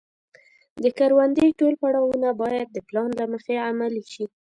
د کروندې ټول پړاوونه باید د پلان له مخې عملي شي.